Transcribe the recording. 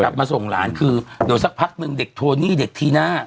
เดี๋ยวสักพักหนึ่งเด็กโทนี่เด็กทีนะ